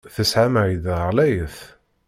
Tesɣamay-d ɣlayet.